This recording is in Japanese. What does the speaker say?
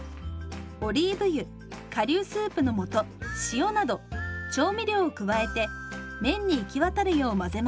オリーブ油顆粒スープの素塩など調味料を加えて麺に行き渡るよう混ぜます。